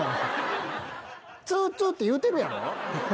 ツーツーっていうてるやろ？